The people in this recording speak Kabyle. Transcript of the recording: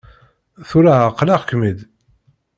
Tura εeqleɣ-kem-id.